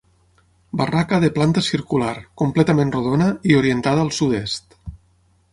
Barraca de planta circular, completament rodona i orientada al sud-est.